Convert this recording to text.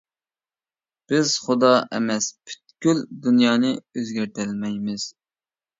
بىز خۇدا ئەمەس، پۈتكۈل دۇنيانى ئۆزگەرتەلمەيمىز.